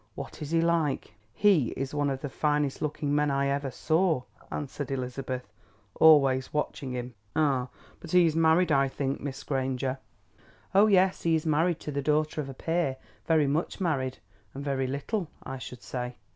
What is he like?" "He is one of the finest looking men I ever saw," answered Elizabeth, always watching him. "Ah. But he is married, I think, Miss Granger?" "Oh, yes, he is married to the daughter of a peer, very much married—and very little, I should say."